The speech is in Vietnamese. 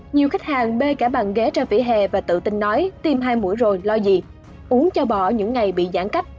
nhiều khách hàng bê cả bàn ghế ra vỉa hè và tự tin nói tiêm hai mũi rồi lo gì uống cho bỏ những ngày bị giãn cách